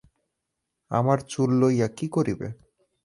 আমার চুল লইয়া কী করিবে।